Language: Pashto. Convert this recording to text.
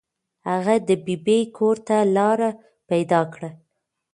هغه د ببۍ کور ته لاره پیدا کړه.